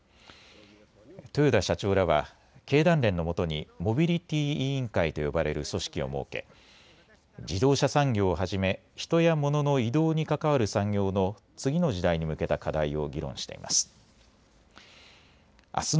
豊田社長らは経団連のもとにモビリティ委員会と呼ばれる組織を設け、自動車産業をはじめ、人やモノの移動に関わる産業の次の時代に向けた課題を議論しています。